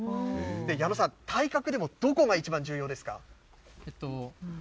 矢野さん、体格でも、どこが一番重要ですか？